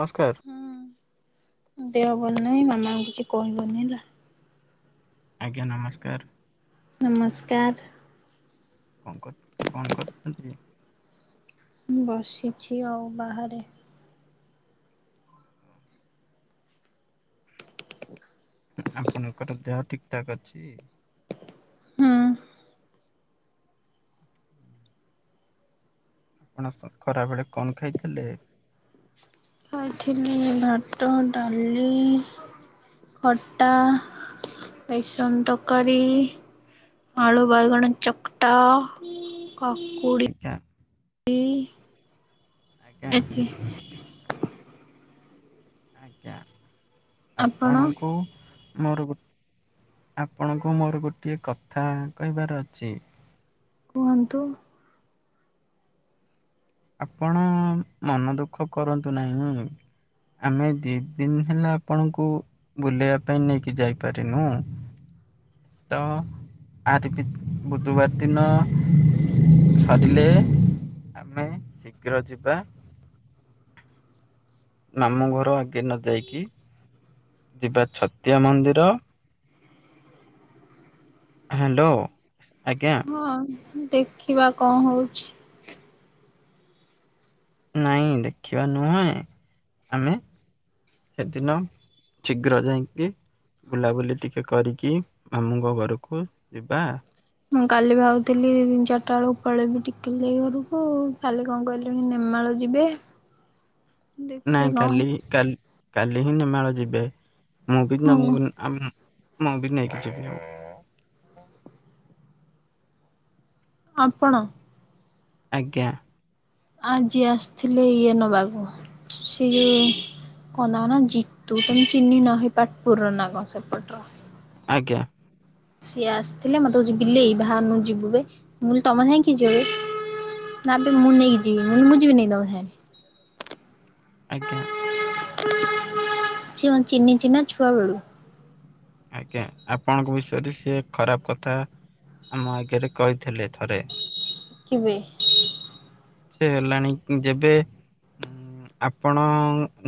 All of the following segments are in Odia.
ନମସ୍କାର। ହୁଁ ଦେହ ଭଲ ନାଇଁ, ମାମାଙ୍କୁ କିଛି କହିବନି ହେଲା। ଆଜ୍ଞା ନମସ୍କାର। ନମସ୍କାର। କଣ କର କଣ କରୁଛନ୍ତି? ମୁଁ ବସିଛି ଆଉ ବାହାରେ। ଆପଣଙ୍କର ଦେହ ଠିକ ଠାକ ଅଛି। ହୁଁ। ଆପଣ ଖ ଖରାବେଳେ କଣ ଖାଇଥିଲେ? ଖାଇଥିଲି ଭାତ, ଡାଲି ଖଟା, ବେସନ ତରକାରୀ ଆଳୁବାଇଗଣ ଚକଟା, କାକୁଡ଼ି ଆଜ୍ଞା ଆଜ୍ଞା। ଏତିକି ଆଜ୍ଞା ଆପଣ ଆପଣଙ୍କୁ ମୋର ଗୋ, ଆପଣଙ୍କୁ ମୋର ଗୋଟିଏ କଥା କହିବାର ଅଛି? କୁହନ୍ତୁ। ଆପଣ ମନ ଦୁଃଖ କରନ୍ତୁ ନାହିଁଁ। ଆମେ ଦି ଦିନି ହେଲା, ଆପଣଙ୍କୁ ବୁଲେଇବା ପାଇଁ ନେଇକି ଯାଇପାରିନୁ। ତ ଆର ଭିତ ବୁଧବାର ଦିନ ସରିଲେ ଆମେ ଶୀଘ୍ର ଯିବା। ମାମୁଁ ଘର ଆଗେ ନ ଯାଇକି, ଯିବା ଛତିଆ ମନ୍ଦିର। ହ୍ୟାଲୋ ଆଜ୍ଞା। ହଁ ଦେଖିବା କଣ ହଉଛି? ନାଇଁ ଦେଖିବା ନୁହେଁ, ଆମେ ସେଦିନ ଶୀଘ୍ର ଯାଇଁକି ବୁଲାବୁଲି ଟିକେ କରିକି, ମାମୁଁଙ୍କ ଘରକୁ ଯିବା। ମୁଁ କାଲି ଭାବୁଥିଲି, ଚାରିଟା ବେଳକୁ ପଳେଇବି ଟିକିଲି ଦେଇ ଘରକୁ। କାଲି କଣ କହିଲେଣି ନେମାଳ ଯିବେ। ଦେଖେ ନାଇଁ କଣ କାଲି ହଉଛି କାଲି କାଲି ହିଁ ନେମାଳ ଯିବେ। ମୁଁ ବି ହଁ। ନମକୁ ଆମ୍ ମୁଁ ବି ନେଇକି ଯିବି। ଆପଣ ଆଜ୍ଞା। ଆଜି ଆସିଥିଲି ଇଏ ନବାକୁୁ, ସେ ଯୋଉ କଣ ତାଙ୍କ ନାଁ ଜିତୁ, ତମେ ଚିହ୍ନିନ ହେ ପାଟପୁର ନା କଣ ସେପଟର ଆଜ୍ଞା। ସିଏ ଆସିଥିଲେ। ମତେ କହୁଚି ବିଲେଇ ବାହାରୁନୁ ଯିବୁ ବେ, ମୁଁ କହିଲି ତମ ସାଙ୍ଗେ କିଏ ଯିବ ବେ। ନା ବେ ମୁଁ ନେଇକି ଯିବି, ମୁଁ କହିଲି ମୁଁ ଯିବିନି ତମ ସାଙ୍ଗରେ। ଆଜ୍ଞା। ସିଏ ମତେ ଚିହ୍ନିଚି ନାଁ ଛୁଆ ବେଳୁ ଆଜ୍ଞା ଆପଣଙ୍କ ବିଷୟରେ ସିଏ ଖରାପ କଥା ଆମ ଆଗରେ କହିଥିଲେ ଥରେ। କେବେ? ସିଏ ହେଲାଣି ଯେବେ ଉଁ ଆପଣ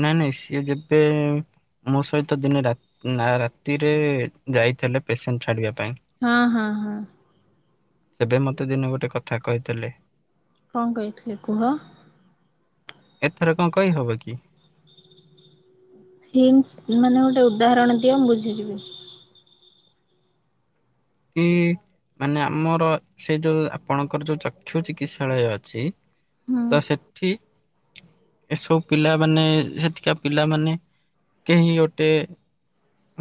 ନାଇଁ ନାଇଁ ସିଏ ଯେବେ ମୋ ସହିତ ଦିନେ ରାତ ରାତିରେ ଯାଇଥିଲେ, ପେସେଣ୍ଟ ଛାଡିବା ପାଇଁ। ହଁ- ହଁ- ହଁ। ସେବେ ମତେ ଦିନେ ଗୋଟେ କଥା କହିଥିଲେ। କଣ କହିଥିଲେ କୁହ? ଏଥେରେ କଣ କହିହବ କି? ହିନଟ୍ସ ମାନେ ଗୋଟେ ଉଦାହରଣ ଦିଅ ମୁଁ ବୁଝିଯିବି। କି। ମାନେ ଆମର ସେ ଯୋଉ ଆପଣଙ୍କର ଯୋଉ ଚକ୍ଷୁ ଚିକିତ୍ସାଳୟ ଅଛି। ହୁଁ ତ ସେଠି। ଏସବୁ ପିଲା ମାନେ ସେଠିକା ପିଲାମାନେ। କେହି ଗୋଟେ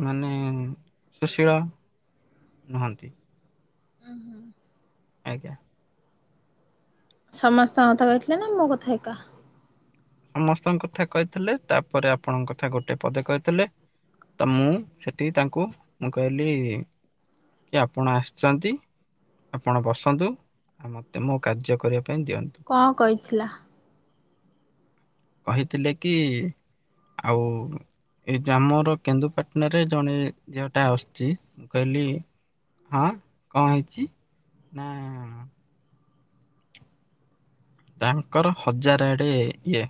ମାନେ ସୁଶୀଳ। ନାହାନ୍ତି। ଆଜ୍ଞା। ସମସ୍ତଙ୍କ କଥା କହିଥିଲେ ନା ମୋ କଥା ଏକା। ସମସ୍ତଙ୍କ କଥା କହିଥିଲେ ତାପରେ ଆପଣଙ୍କ କଥା ଗୋଟେ ପଦେ କହିଥିଲେ। ତ ମୁଁ ସେତିକି ତାଙ୍କୁ ମୁଁ କହିଲି। କି ଆପଣ ଆସିଛନ୍ତି ଆପଣ ବସନ୍ତୁ ଆଉ ମତେ ମୁଁ କାର୍ଯ୍ୟ କରିବାକୁ। କଁ କଇଥିଲା। କହିଥିଲେ କି ଆଉ। ଏଇ ଯୋଉ ଆମର କେନ୍ଦୁ ପାଟଣା ରେ ଜଣେ ଝିଅଟା ଆସୁଛି ମୁଁ କହିଲି। ହଁ କଣ ହେଇଛି ନା। ତାଙ୍କର ହଜାର ଆଡେ ଇଏ ‌।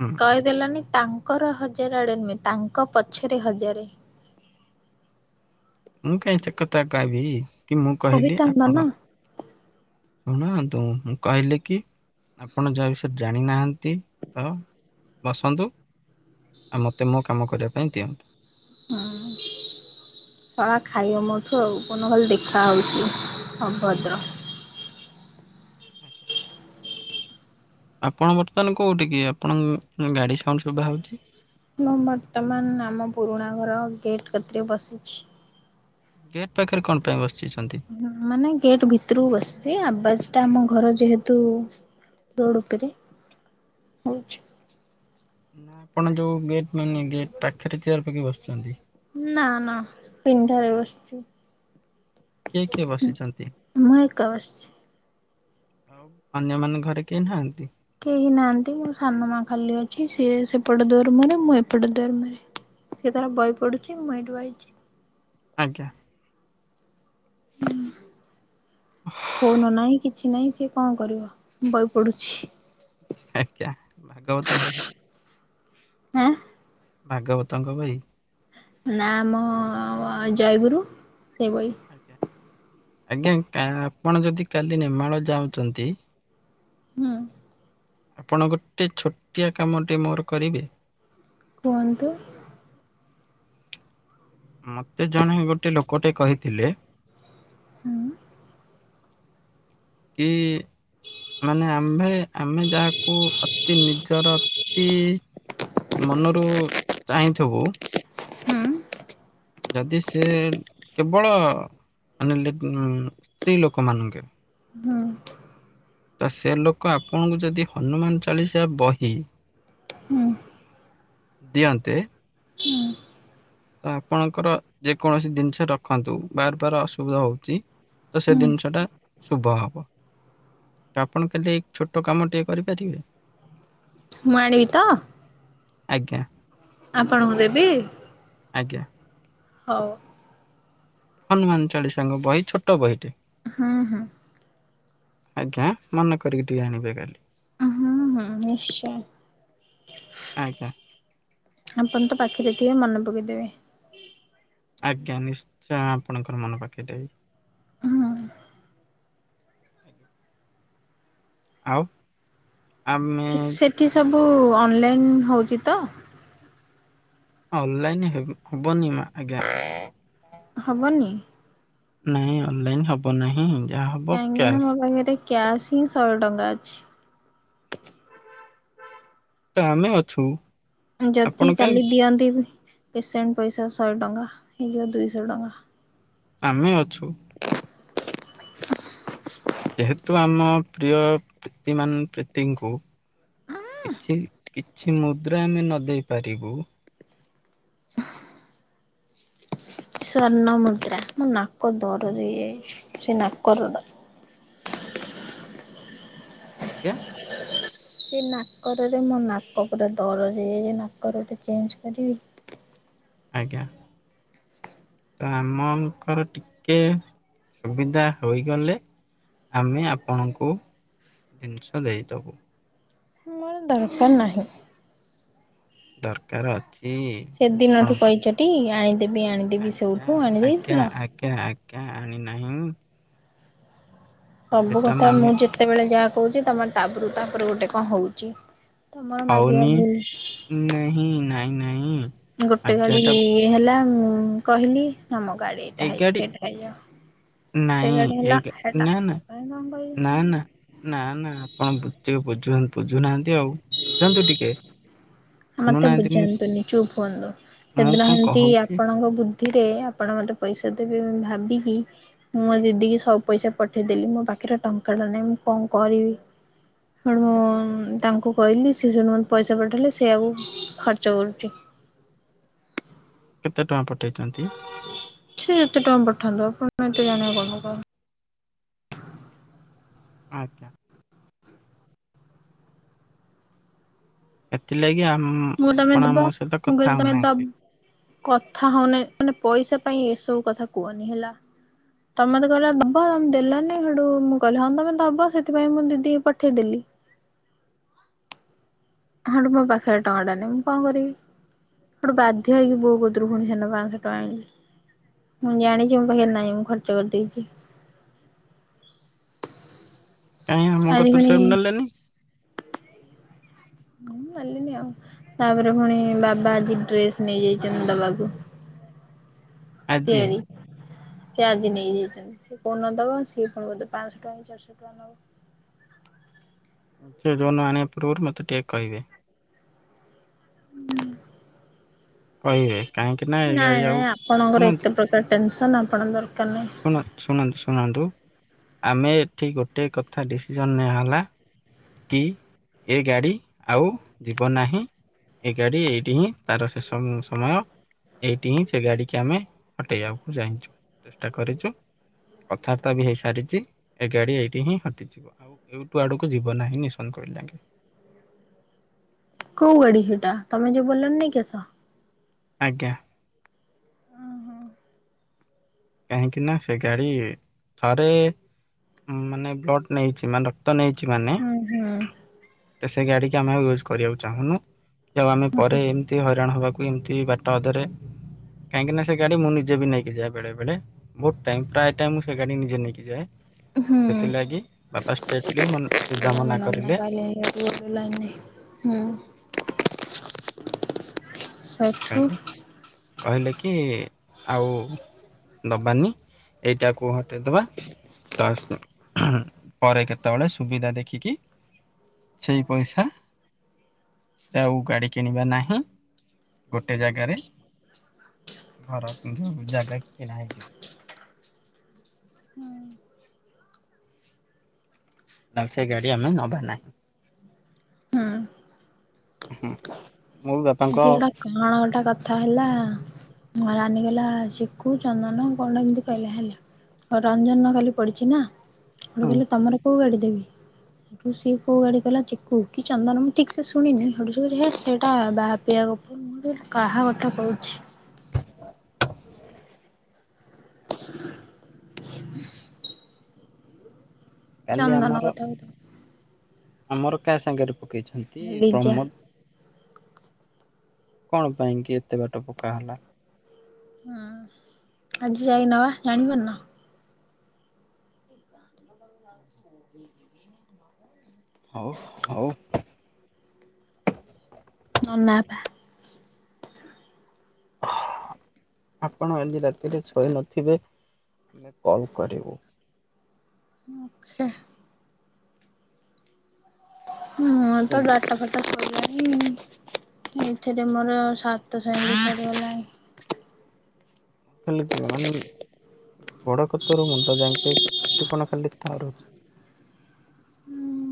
ହୁଁ କହିଦେଲନି ତାଙ୍କର ହଜାର ଆଡ଼େ ନୁହେଁ ତାଙ୍କ ପଛରେ ହଜାରେ। ମୁଁ କାହିଁ ସେ କଥା କହିବି କି ମୁଁ କହିଲି କହିଥାନ୍ତା ନା। ଆପଣ। ଶୁଣନ୍ତୁ ମୁଁ କହିଲି କି ଆପଣ ଯାହା ବିଷୟରେ ଜାଣିନାହାନ୍ତି ତ। ବସନ୍ତୁ ଆଉ ମତେ ମୋ କାମ କରିବା ପାଇଁ ଦିଅନ୍ତୁ। ହୁଁ। ଶଳା ଖାଇବ ମୋଠୁ ଆଉ କୋଉଦିନ ଖାଲି ଦେଖା ହଉ ସିଏ ଅଭଦ୍ର। [inaudible] ଆଜ୍ଞା। ଆପଣ ବର୍ତ୍ତମାନ କୋଉଠି କି ଆପଣଙ୍କ ଗାଡି ସାଉଣ୍ଡ ସୁଭାହଉଛି ‌। ମୁଁ ବର୍ତ୍ତମାନ ଆମ ପୁରୁଣା ଘର ଗେଟ୍ କତିରେ ବସିଛି। ଗେଟ୍ ପାଖରେ କଣ ପାଇଁ ବସ ମାନେ ଗେଟ୍ ଭିତରକୁ ବସିଛି ଆବାଜ ଟା ଆମ ଘର। ଯେହେତୁ ରୋଡ଼ ଉପରେ ହଉଛି ‌। ନା ଆପଣ ଯୋଉ ଗେଟ୍ ମେନେ ଗେଟ୍ ପାଖରେ ଚେୟାର ପାକେଇ ବସିଛନ୍ତି। ନା ନା ପିଣ୍ଢା ରେ ବସିଛି। କିଏ କିଏ ବସିଛନ୍ତି। ମୁଁ ଏକା ବସିଛି। ଆଉ ଅନ୍ୟ ମାନ ଘରେ କେହି ନାହାନ୍ତି। କେହି ନାହାନ୍ତି ମୋ ସାନ ମା ଖାଲି ଅଛି ସିଏ ସେପଟ ଦୂଆର ମୁଅରେ ମୁଁ ଏପଟେ ଦୂଆର ମୁଅରେ। ସିଏ ତାର ବହି ପଢୁଛି ମୁଁ ଏଇଠୁ ବଇଛି। ଆଜ୍ଞା। ଫୋନ ନାହିଁ କିଛି ନାହିଁ ସେ କଣ କରିବ ବହି ପଢୁଛି। ଆଜ୍ଞା ଭାଗବତ ବହି। ଆଁ। ଭାଗବତଙ୍କ ବହି। ନା ମ ଜୟଗୁରୁ। ସେ ବହି ଆଜ୍ଞା ଆଜ୍ଞା କା। ଆପଣ ଯଦି କାଲି ନେମାଳ ଯାଉଚନ୍ତି। ହୁଁ। ଆପଣ ଗୋଟେ ଛୋଟିଆ କାମଟେ ମୋର କରିବେ। କୁହନ୍ତୁ। ମତେ ଜଣେ ଗୋଟେ ଲୋକଟେ କହିଥିଲେ। ହୁଁ। କି ମାନେ ଆମ୍ଭେ ଆମେ ଯାହାକୁ ଅତି ନିଜର ତି ମନରୁ ଚାହିଁଥିବୁ। ହୁଁ ଯଦି ସେ କେବଳ ମାନେ ଲେ-ସ୍ତ୍ରୀ ଲୋକ ମାନଙ୍କ ହୁଁ ତ ସେ ଲୋକ ଆପଣଙ୍କୁ ଯଦି ହନୁମାନ ଚାଳିଶା ବହି ହୁଁ ଦିଅନ୍ତେ। ତ ଆପଣଙ୍କର ଯେକୌଣସି ଜିନିଷ ରଖନ୍ତୁ ବାର୍ ବାର୍ ଅସୁବିଧା ହଉଛି। ତ ସେ ହୁଁ। ଜିନିଷ ଟା ଶୁଭ ହବ। ଆପଣ ଖାଲି ଏ ଛୋଟ କାମ ଟିକେ କରିପାରିବେ? ମୁଁ ଆଣିବି ତ? ଆଜ୍ଞା। ଆପଣଙ୍କୁ ଦେବି? ଆଜ୍ଞା। ହଉ। ହନୁମାନ ଚାଳିଶାଙ୍କ ବହି ଛୋଟ ବହିଟେ। ହୁଁ ହୁଁ। ଆଜ୍ଞା ମନେ କରିକି ଟିକେ ଆଣିିବେ କାଲି। ହୁଁ ହୁଁ ନିଶ୍ଚୟ। ଆଜ୍ଞା। ଆପଣ ତ ପାଖିରେ ଥିବେ ମନେ ପକେଇଦେବେ। ଆଜ୍ଞା ନିଶ୍ଚୟ ଆପଣଙ୍କର ମନ ପକେଇ ଦେବି। ହୁଁ। ଆଜ୍ଞା। ଆଉ। ଆମେ ସେଠି ଆମ ସବୁ ଅନଲାଇନ୍ ହଉଛି ତ? ଅନଲାଇନ ହେବ- ହବନି ମା ଆଜ୍ଞା। ହବନି? ନାଇଁ ଅନଲାଇନ ହବ ନାହିଁ। ଯାହା ହବ କାହିଁକି ନା କ୍ୟାସ୍ ମୋ ପାଖରେ କ୍ୟାସ୍ ହିଁ ଶହେ ଟଙ୍କା ଅଛି। ତ ଆମେ ଅଛୁ। ଯଦି ଆପଣ କାହିଁ କାଲି ଦିଅନ୍ତି ପେସେଣ୍ଟ ପଇସା ଶହେ ଟଙ୍କା ଏଘ୍ର ଦୁଇଶହ ଟଙ୍କା। ଆମେ ଅଛୁ। ଯେହେତୁ ଆମ ପ୍ରିୟ ପ୍ରୀତିମାନ ପ୍ରୀତିଙ୍କୁ କିଛି କିଛି ମୁଦ୍ରା ଆମେ ନ ଦେଇ ପାରିବୁ ସ୍ଵର୍ଣ୍ଣ ମୁଦ୍ରା ମୁଁ ନାକ ଦରଜ ହେଇ ଯାଇଚି ସେ ନାକ ର ଆଜ୍ଞା? ସେ ନାକରରେ ମୋ ନାକ ପୁରା ଦରଜ ହେଇଯାଇଚି ନାକର ଟେ ଚେଞ୍ଜ କରିବି। [inaudible] ଆଜ୍ଞା। ତ ଆମଙ୍କର ଟିକେ ସୁବିଧା ହୋଇଗଲେ ଆମେ ଆପଣଙ୍କୁ ଜିନିଷ ଦେଇଦବୁ। ମୋର ଦରକାର ନାହିଁ। ଦରକାର ଅଛି। ସେ ଦିନଠୁ ଆପଣଙ୍କ କହିଛ ଟି ଆଣିଦେବି ଆଣିଦେବି ସେଉଠୁ ଆଣି ଦେଇଥିଲ? କିଆଁ ଆଣି ନାହିଁ? ସବୁ କଥା ମୁଁ ଯେତେବେଳେ ଯାହା କହୁଛି ତମର ତାପରୁ ତାପରେ ଗୋଟେ କଣ ହଉଛି। ତମର ମାଗିବା ହଉନି ଭୁଲ ନେହି ନାହିଁ ନାହିଁ। ଗୋଟେ ଗାଡି ଇଏ ହେଲା ମୁଁ କହିଲି ଆମ ଗାଡି ଏଇଟା ହେଇଛି ହେଇଟା ହେଇଯାଉ। ସେ ନାହିଁ ଗାଡି ହେଲା ଏକେ - ହେଟା ନା ନା ମୁଁ କାଇଁ କଣ ନା କହିବି ନା। ନା ନା ଆପଣ ବୁ ଟିକେ ବୁଝନ ବୁଝୁନାହାନ୍ତି ଆଉ ବୁଝନ୍ତୁ ଟିକେ। ମତେ ଶୁଣୁନାହାନ୍ତି ମୁଁ ବୁଝାନ୍ତୁନି ଚୁପ୍ ହୁଅନ୍ତୁ। ମୁଁ ସେଦିନ କଣ ହେମତି କହୁଛି ଆପଣଙ୍କ ବୁଦ୍ ଦ୍ଧିରେ ଆପଣ ମତେ ପଇସା ଦେବେ ମୁଁ ଭାବିକି ମୁଁ ଆଜି ଦି ସବୁ ପଇସା ପଠେଇଦେଲି। ମୋ ପାଖ୍ ଖରେ ଟଙ୍କାଟା ନାହିଁ। ମୁଁ କଣ କରିବି? ହେଣୁ ତାଙ୍କୁ କହିଲି ସେ ସେଇଠୁ ମତେ ପଇସା ପଠେଇଲେ ସେ ସେଆକୁ ଖର୍ଚ୍ଚ କରୁଛି। କେତେ ଟଙ୍କା ପଠେଇଛନ୍ତି? ସେ ଯେତେ ଟଙ୍କା ପଠାନ୍ତୁ ଆପଣ ଏତେ ଜାଣିବା କ'ଣ ଦରକାର। ଆଚ୍ଛା। ଏଥିଲାଗି ମୁଁ ତମେ ଦବ ମୁଁ କହିଲି ତମେ ଦବ୍ ହଉନାହାନ୍ତି କଥା ହଉନାହିଁ ମାନେ ପଇସା ପାଇଁ ଏସବୁ କଥା କୁହନି ହେଲା। ତମେ ତ କହିଲା ଦବ ଦେଲାନି ହେଠୁ ମୁଁ କହିଲି ହଁ ତମେ ଦବ ସେଥିପାଇଁ ମୁଁ ଦିଦିକୁ ପଠେଇଦେଲି। ହଁ ହେଡୁ ମୋ ପାଖରେ ଟଙ୍କା ଟା ନାହିଁ। ମୁଁ କ'ଣ କରିବି? ଏଠୁ ବାଧ୍ୟ ହେଇକି ବୋଉଗତିରୁ ପୁଣି ହେନ ପାଞ୍ଚଶହ ଟଙ୍କା ଆଣିଲି। ମୁଁ ଜାଣିଛି ମୋ ପାଖରେ ନାହିଁ। ମୁଁ ଖର୍ଚ୍ଚ କରିଦେଇଛି। କାହିଁ ମୋ ଆଜି କତିରୁ ପୁଣି ସେଠୁ ନେଲେନି। ମୁଁ ଗଲିିନି ଆଉ। ତାପରେ ପୁଣି ବାବା ଆଜି ଡ୍ରେସ ନେଇଯାଇଛନ୍ତି ଦବାକୁ। ଆଜି ତିଆରି। ସେ ଆଜି ନେଇ ନେଇଯାଇଛନ୍ତି। ସେ କୋଉନ ଦବ ସିଏ କଣ ବେଧେ ପାଞ୍ଚଶହ ଟଙ୍କା ଚାରିଶହ ଟଙ୍କା ନବ। ସେ ଯୋନ ଆଣିବା ପୂର୍ବରୁ ମତେ ଟିକେ କହିବେ। ହୁଁ। କହିବେ କାହିଁକି ନା ଏ ଗାଡି ନାଇଁ ଆଉ ନାଇଁ ଆପଣଙ୍କର ଏତେ ପ୍ରକାର ଟେନସନ୍ ଆପ୍ ଶୁଣନ୍ତ୍ ଶୁଣାନ୍ତୁ ଶୁଣାନ୍ତୁ। ଆମେ ଏଠି ଗୋଟେ କଥା ଡିସିଜନ୍ ନିଆହେଲା କି ଏ ଗାଡି ଆଉ ଯିବ ନାହିଁ। ଏଇ ଗାଡ଼ି ଏଇଠି ହିଁ ତାର ଶେଷ ହୁଁ ସମୟ। ଏଇଠି ହିଁ ସେ ଗାଡିିକି ଆମେ ହଟେଇବାକୁ ଚାହିଁଛୁ ଚେଷ୍ଟା କରିଛୁ। କଥାବାର୍ତ୍ତା ବି ହେଇ ସାରିଛି। ଏଗାଡି ଏଇଠି ହିଁ ହଟିଯିବ ଆଉ ଏଇଠୁ ଆଡକୁ ଯିବ୍ ବ ନାହିଁ ନିଶନ କହିଲାଙ୍କି। କୋଉ ଗାଡି ସେଟା ତମେ ଯଉ ବେଲର୍ ନେଇକି ଆସ? ଆଜ୍ଞା। କାହିଁକିନା ସେ ଗାଡି ଥରେ ମାନେ ବ୍ଲଡ ନେଇଛି ମାନେ ରକ୍ତ ନେଇ ହୁଁ ହୁଁ। ତ ସେ ଗାଡିିକି ଆମେ ଆଉ ୟୁଜ୍ କରିବାକୁ ଚାହୁଁନୁ କି ଆଉ ଆମେ ପରେ ଏମିତି ହଇରାଣ ହବାକୁ ଏମିତି ବାଟ ଅଧରେ କାହିଁକି ନା ସେ ଗାଡି ମୁଁ ନିଜେ ବି ନେଇକି ଯାଏ ବେଳେ ବେଳେ ମୋ ଟାଇମ୍ ପ୍ରାୟ ଟାଇମ୍ ସେ ଗାଡି ନିଜେ ନେଇକି ଯାଏ। ହୁଁ। ସେଥିଲାଗି ବାପା ଷ୍ଟ୍ରେଟଲି ମନ୍ ସିଧାମନା [unintelligible] ଲାଇନ୍ ନାହିଁ। ହୁଁ ସକ୍ଷୁ। କହିଲେ କହିଲେ କି ଆଉ ଦବାନି। ଏଇଟାକୁ ହଟେଇଦବା। ତାସ୍ ପରେ କେତେବେଳେ ସୁବିଧା ଦେଖିକି ସେଇ ପଇସା ଆଉ ଗାଡି କିଣିବା ନାହିଁ। ଗୋଟେ ଜାଗାରେ ଘର କିଣି ଜାଗା କିଣା ହେଇଯିବ। ହୁଁ। ତା ସେ ଗାଡି ଆମେ ନବା ନାହିଁ। ହୁଁ ହଁ ହୁଁ। ଆଜି ଗୋଟା କଣ ଗୋଟେ କଥା ହେଲା ରାନୀ କଲା ଶିଖୁ ଚନ୍ଦନ କଣ୍ଡ ଏମିତି କହିଲେ ହେଲା ରଞ୍ଜନ କାଲି ପଡ଼ିଛି ନା ମୁଁ କହିଲେ ତମର କୋଉ ଗାଡ଼ି ଦେବି ସେଠୁ ସିଏ କୋଉ ଗାଡି କଲା ଚୀକୁ କି ଚନ୍ଦନ ମୁଁ ଠିକ ସେ ଶୁଣିନି ସେଠୁ [unintelligible] ସେଇଟା ବା କ ପ୍ରିୟା କପୁର ମୋର କାହା କଥା କହୁଛି [inaudible] କାଲି ଚନ୍ଦନ ଆମର ଗଥାଥା ଆମର କାହା ସାଙ୍ଗରେ ପକେଇଛନ୍ତି ଲିଜା ପ୍ରମୋଦ୍ କଣ ପାଇଁ କି ଏତେ ବାଟ ପକା ହେଲା ହଁ ଆଜି ଯାଇ ନେବା ଜାଣିବାରୁ ନା ହ ହ ହଁ ହଉ ହଉ ନ ନାପା [inaudible] ଆପଣ ଯଦି ରାତିରେ ଶୋଇ ନଥିବେ ଆମେ କଲ କରିବୁ ଓଛେ ହଁ ତୋଡାଟା ଫାଟା ସ [unintelligible] ଏଥିରେ ମୋର ସାତ ସେମିଟର ହେଲାଣି ମିଲ କ ମନ ଗୋଡ କତର ମୁଣ୍ଡ ଯାଇକେ କୋଟିପଣ କାଲି ତା ରହୁଛି ହୁଁ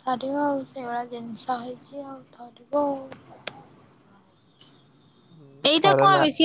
ଥରିବ ଆଉ ସେଇଭଳିଆ ଜିନିଷ ହେଇଛି ଆଉ ଥରିବ ଆଉ ଏଇଟା କୁଣ ଥରଲା ବେଶିଅ